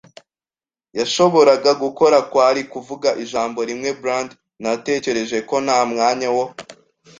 yashoboraga gukora kwari kuvuga ijambo rimwe, “Brandy.” Natekereje ko nta mwanya wo